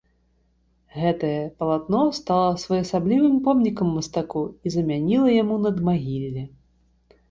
Гэтае палатно стала своеасаблівым помнікам мастаку і замяніла яму надмагілле.